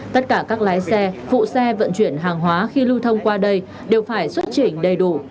tất cả các lái xe phụ xe vận chuyển hàng hóa khi lưu thông qua đây đều phải xuất trình đầy đủ